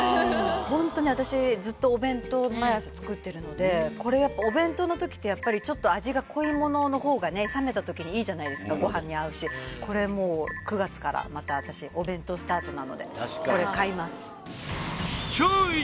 ホントに私ずっとお弁当毎朝作ってるのでこれやっぱお弁当のときってちょっと味が濃いものの方が冷めたときにいいじゃないですかご飯に合うしこれもう９月からまた私お弁当スタートなのでこれ買います